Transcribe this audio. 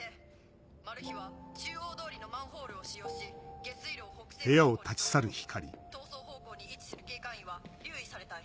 マルヒは中央通りのマンホールを使用し下水路を北西方向に逃走逃走方向に位置する警戒員は留意されたい。